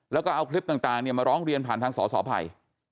มาร้องเรียนผ่านทางสสภัย